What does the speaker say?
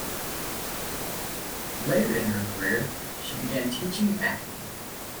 Later in her career, she began teaching acting.